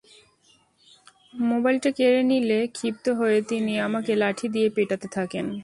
মোবাইলটা কেড়ে নিলে ক্ষিপ্ত হয়ে তিনি আমাকে লাঠি দিয়ে পেটাতে থাকেন।